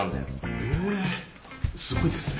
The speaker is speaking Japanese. へえすごいですね。